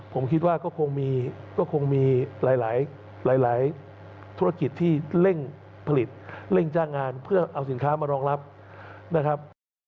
ผมคิดว่าก็คงมีก็คงมีหลายธุรกิจที่เร่งผลิตเร่งจ้างงานเพื่อเอาสินค้ามารองรับนะครับ